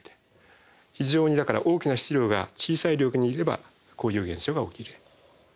非常にだから大きな質量が小さい領域にいればこういう現象が起きる。